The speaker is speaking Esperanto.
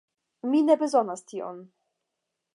Mi ne bezonas tion.